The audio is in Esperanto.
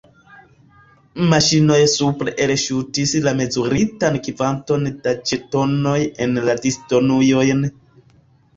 Maŝinoj supre elŝutis la mezuritan kvanton da ĵetonoj en la disdonujojn.